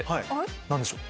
何でしょう？